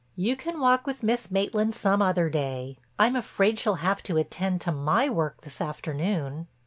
You can walk with Miss Maitland some other day. I'm afraid she'll have to attend to my work this afternoon."